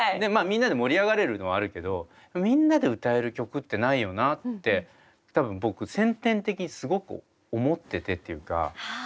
みんなで盛り上がれるのはあるけどみんなで歌える曲ってないよなって多分僕先天的にすごく思っててっていうか。